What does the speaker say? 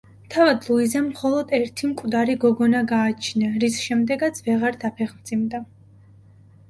თავად ლუიზამ მხოლოდ ერთი მკვდარი გოგონა გააჩინა, რის შემდეგაც ვეღარ დაფეხმძიმდა.